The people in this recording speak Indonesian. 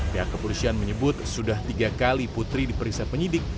pihak kepolisian menyebut sudah tiga kali putri diperiksa penyidik